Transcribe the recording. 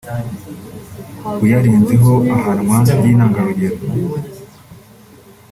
uyarenzeho agahanwa by’intangarugero